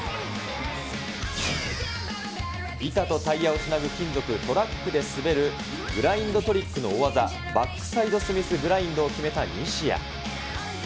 板とタイヤをつなぐ金属、トラックで滑るグラインドトリックの大技、バックサイドスミスグラインドを決めた西矢。